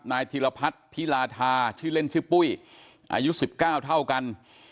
นายธีรพัฒน์พิราธาชื่อเล่นชื่อปุ้ยอายุสิบเก้าเท่ากัน